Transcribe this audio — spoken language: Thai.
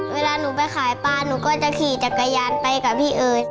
เวลาหนูไปขายปลาหนูก็จะขี่จักรยานไปกับพี่เอ๋ย